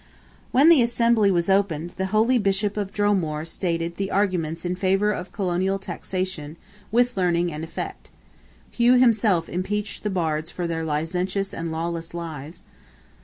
When the Assembly was opened the holy Bishop of Dromore stated the arguments in favour of Colonial taxation with learning and effect. Hugh himself impeached the Bards for their licentious and lawless lives.